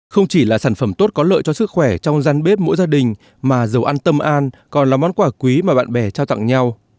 không chỉ là sản phẩm tốt có lợi cho sức khỏe trong gian bếp mỗi gia đình mà dầu ăn tâm an còn là món quà quý mà bạn bè trao tặng nhau